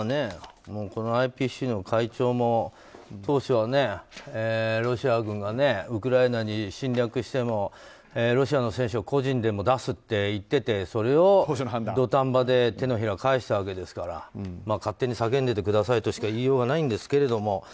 このＩＰＣの会長も当初はロシア軍がウクライナに侵略してもロシアの選手を個人でも出すって言っててそれを土壇場で手のひらを返したわけですから勝手に叫んでてくださいとしか言いようがないんですけど。